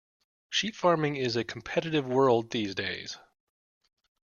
Sheep farming is a competitive world these days.